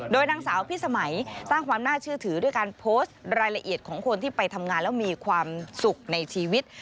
โดยนางสาวพิสมัยสร้างความน่าเชื่อถือด้วยการโพสต์รายละเอียดของคนที่ไปทำงานแล้วมีความสุขในชีวิต